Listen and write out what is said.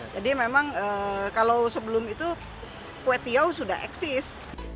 jadi memang kalau sebelum itu kue tiaw sudah eksis